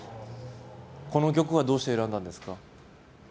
この曲はどうして選んだんですか？